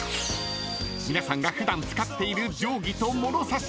［皆さんが普段使っている定規と物差し］